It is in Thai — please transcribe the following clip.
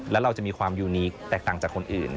แล้วเราจะมีความยูนีแตกต่างจากคนอื่น